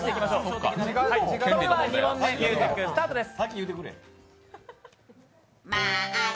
では、２問目ミュージックスタートです。